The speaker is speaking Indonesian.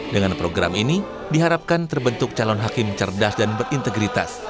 dengan program ini diharapkan terbentuk calon hakim cerdas dan berintegritas